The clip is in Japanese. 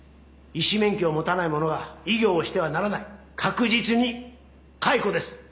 医師免許を持たない者が医業をしてはならない確実に解雇です！